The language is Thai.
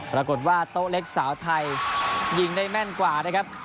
ปรากฏว่าโต๊ะเล็กสาวไทยยิงได้แม่นกว่านะครับ